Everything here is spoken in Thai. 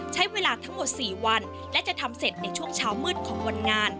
ใช้เวลาทั้งหมด๔วันและจะทำเสร็จในช่วงเช้ามืดของวันงาน